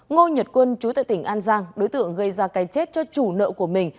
ngô nhật quân trú tại tỉnh an giang đối tượng gây ra cây chết cho chủ nợ của mình